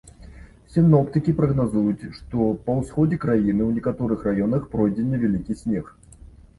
Сіноптыкі прагназуюць, што па ўсходзе краіны ў некаторых раёнах пройдзе невялікі снег.